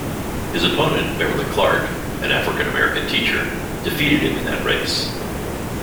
His opponent Beverly Clark, an African-American teacher, defeated him in that race.